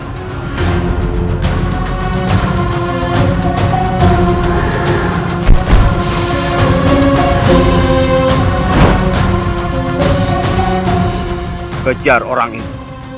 aku harus mengejar orang ini